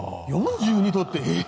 ４２度って、ええ？